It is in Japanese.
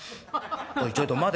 「おいちょいと待て。